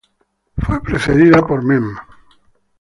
Fue precedida por "Mem.